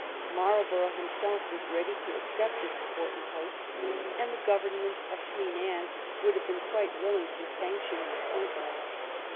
Marlborough himself was ready to accept this important post, and the government of Queen Anne would have been quite willing to sanction the appointment.